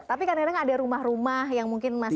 tapi kadang kadang ada rumah rumah yang mungkin masih